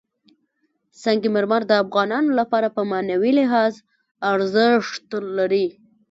سنگ مرمر د افغانانو لپاره په معنوي لحاظ ارزښت لري.